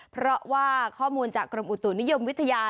เพราะว่าข้อมูลจากกรมอุตุนิยมวิทยา